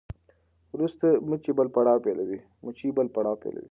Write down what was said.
وروسته مچۍ بل پړاو پیلوي.